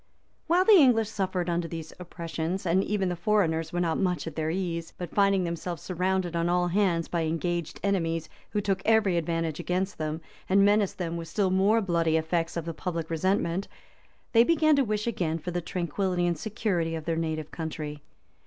While the English suffered under these oppressions, even the foreigners were not much at their ease; but finding themselves surrounded on all hands by engaged enemies, who took every advantage against them, and menaced them with still more bloody effects of the public resentment, they began to wish again for the tranquillity and security of their native country.